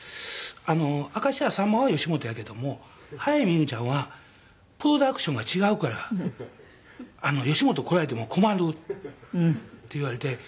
「明石家さんまは吉本やけども早見優ちゃんはプロダクションが違うから吉本来られても困る」って言われて。